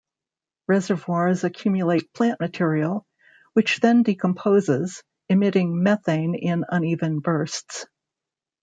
Reservoirs accumulate plant material, which then decomposes, emitting methane in uneven bursts.